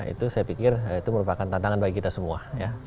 itu saya pikir itu merupakan tantangan bagi kita semua